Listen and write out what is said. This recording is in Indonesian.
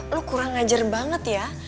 lo kurang ngajar banget ya